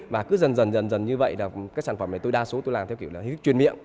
và cứ dần dần như vậy là các sản phẩm này tôi đa số tôi làm theo kiểu là huyết truyền miệng